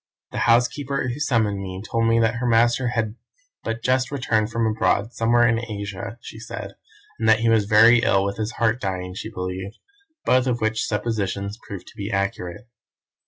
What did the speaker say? The housekeeper who summoned me told me that her master had but just returned from abroad, somewhere in Asia, she said, and that he was very ill with his heart dying, she believed; both of which suppositions proved to be accurate.